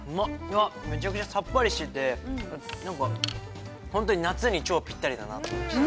◆めちゃくちゃさっぱりしていて、なんか、本当に夏に超ぴったりだなと思いました。